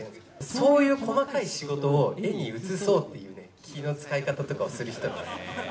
そういう細かい仕事を、絵に映そうっていうね、気の遣い方とかを普通にする人なんです。